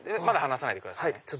まだ放さないでくださいね。